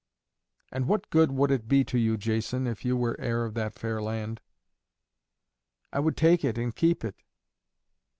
"And what good would it be to you, Jason, if you were heir of that fair land?" "I would take it and keep it."